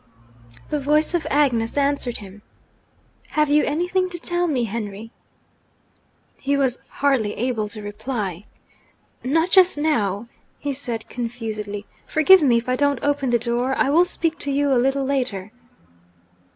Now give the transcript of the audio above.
The voice of Agnes answered him. 'Have you anything to tell me, Henry?' He was hardly able to reply. 'Not just now,' he said, confusedly. 'Forgive me if I don't open the door. I will speak to you a little later.'